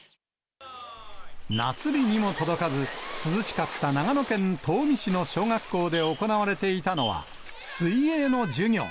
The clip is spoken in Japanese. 夏日にも届かず、涼しかった長野県東御市の小学校で行われていたのは、水泳の授業。